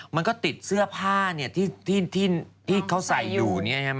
มันก็ติดเสื้อผ้าที่เขาใส่อยู่